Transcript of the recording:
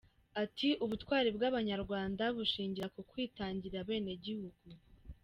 Ati ‘‘Ubutwari bw’Abanyarwanda bushingira ku kwitangira abenegihugu.